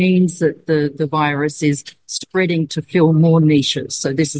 karena kita tahu virus influenza sangat mudah diadaptasi